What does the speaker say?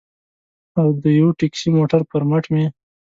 او د یوه ټکسي موټر پر مټ مې.